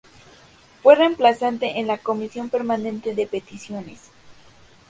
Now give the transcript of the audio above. Fue reemplazante en la Comisión Permanente de Peticiones.